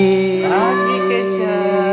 selamat pagi keshia